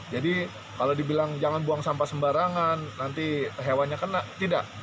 jadi kalau dibilang jangan buang sampah sembarangan nanti hewanya kena tidak